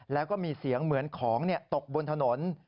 แล้วก็มีเสียงเหมือนของตกบนถนน